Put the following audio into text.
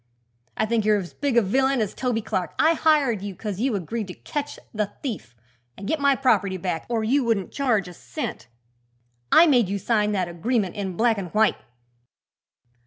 "I think you're as big a villain as Toby Clark. I hired you 'cause you agreed to catch the thief and get my property back or you wouldn't charge a cent. I made you sign that agreement in black an' white."